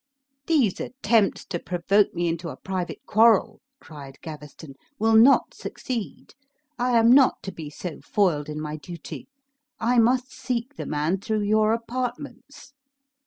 "These attempts to provoke me into a private quarrel," cried Gaveston, "will not succeed. I am not to be so foiled in my duty. I must seek the man through your apartments."